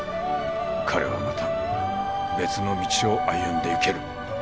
彼はまた別の道を歩んでいける。